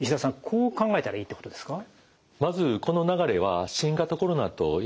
こう考えたらいいってことですか？